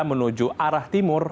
menuju arah timur